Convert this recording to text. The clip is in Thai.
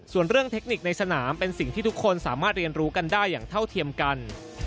ส่วนเรื่องเทคนิคในสนามเป็นสิ่งที่ทุกคนสามารถเรียนรู้กันได้อย่างเท่าเทียมกัน